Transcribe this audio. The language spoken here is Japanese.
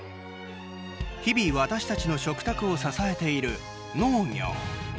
日々私たちの食卓を支えている農業。